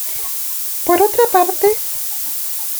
Por otra parte.